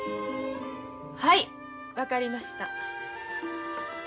はい分かりました。